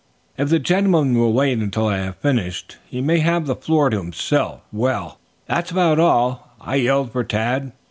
"If the gentleman will wait until I have finished he may have the floor to himself. Well, that's about all. I yelled for Tad.